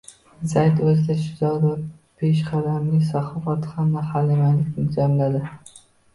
Zayd o‘zida shijoat va peshqadamlik, saxovat hamda halimlikni jamladi